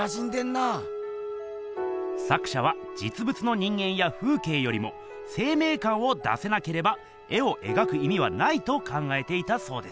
作しゃはじつぶつの人間や風けいよりも生めいかんを出せなければ絵を描くいみはないと考えていたそうです。